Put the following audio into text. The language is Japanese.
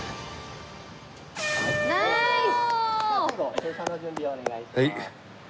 停車の準備をお願いします。